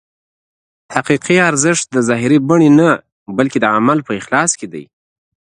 حقیقي ارزښت د ظاهري بڼې نه بلکې د عمل په اخلاص کې دی.